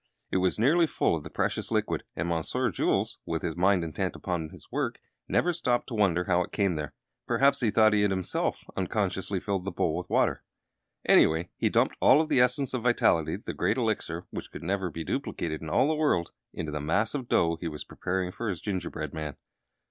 It was nearly full of the precious liquid, and Monsieur Jules, with his mind intent upon his work, never stopped to wonder how it came there. Perhaps he thought he had himself unconsciously filled the bowl with water. Anyway, he dumped all of the Essence of Vitality the Great Elixir which could never be duplicated in all the world into the mass of dough he was preparing for his gingerbread man!